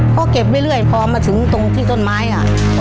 ก็เก็บเรื่อยพอมาถึงตรงที่ต้นไม้อ่ะ